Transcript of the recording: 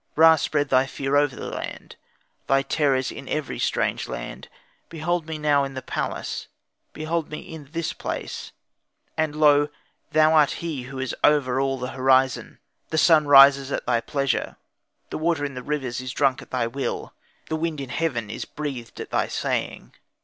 Ra spread thy fear over the land, thy terrors in every strange land. Behold me now in the palace, behold me in this place; and lo! thou art he who is over all the horizon; the sun rises at thy pleasure, the water in the rivers is drunk at thy will, the wind in heaven is breathed at thy saying.